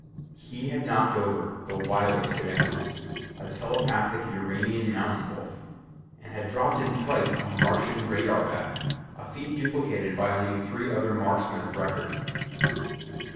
He had knocked over the wiliest of animals, a telepathic Uranian mountain wolf and had dropped in flight a Martian radar bat, a feat duplicated by only three other marksmen of record.